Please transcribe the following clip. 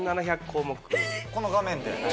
この画面で？